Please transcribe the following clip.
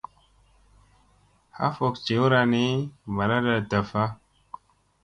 Ha fok jewra ni balada taffa.